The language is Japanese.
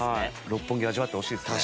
六本木を味わってほしいですね。